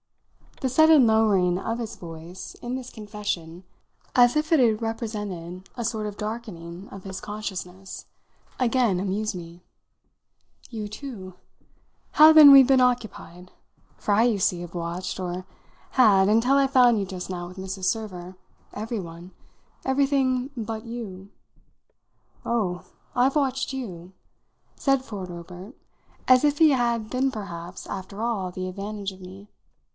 The sudden lowering of his voice in this confession as if it had represented a sort of darkening of his consciousness again amused me. "You too? How then we've been occupied! For I, you see, have watched or had, until I found you just now with Mrs. Server everyone, everything but you." "Oh, I've watched you," said Ford Obert as if he had then perhaps after all the advantage of me.